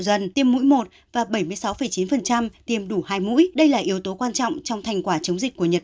dần tiêm mũi một và bảy mươi sáu chín tiêm đủ hai mũi đây là yếu tố quan trọng trong thành quả chống dịch của nhật